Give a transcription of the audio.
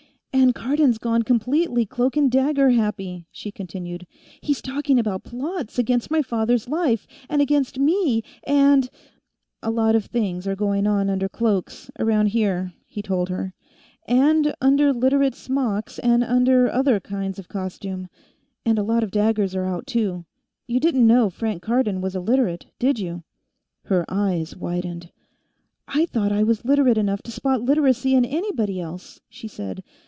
"And Cardon's gone completely cloak and dagger happy," she continued. "He's talking about plots against my father's life, and against me, and " "A lot of things are going on under cloaks, around here," he told her. "And under Literate smocks, and under other kinds of costume. And a lot of daggers are out, too. You didn't know Frank Cardon was a Literate, did you?" Her eyes widened. "I thought I was Literate enough to spot Literacy in anybody else," she said.